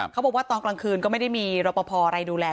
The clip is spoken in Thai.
เขาบอกว่าตอนกลางคืนก็ไม่ได้มีรปภอะไรดูแล